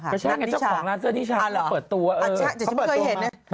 เจ้าจริงจ้าของร้านเสื้อนิชชาเขาเปิดตัว